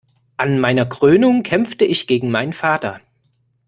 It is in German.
An meiner Krönung kämpfte ich gegen meinen Vater.